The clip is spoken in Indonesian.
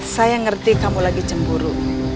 saya ngerti kamu lagi cemburu